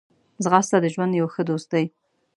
ځغاسته د ژوند یو ښه دوست دی